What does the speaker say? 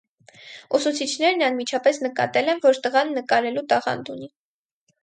Ուսուցիչներն անմիջապես նկատել են, որ տղան նկարելու տաղանդ ունի։